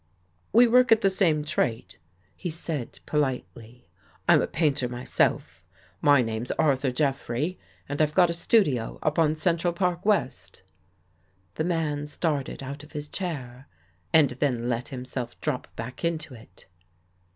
" We work at the same trade," he said, politely. " I'm a painter myself. My name's Arthur Jeffrey, and I've got a studio up on Central Park West." The man started out of his chair and then let him self drop back into it.